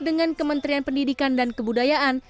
dengan kementerian pendidikan dan kebudayaan